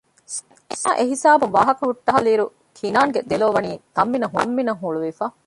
ސަކީނާ އެހިސާބުން ވާހަކަ ހުއްޓައިލިއިރު ކިނާންގެ ދެލޯވަނީ ތަންމިނަށް ހުޅުވިފަ